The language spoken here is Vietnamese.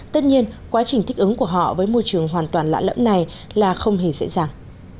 tất nhiên quá trình thích ứng của họ với môi trường hoàn toàn lạ lẫm này là không hề dễ dàng